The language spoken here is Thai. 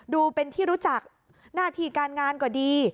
ดูเป็นที่รู้จักหน้าที่การงานก็ดี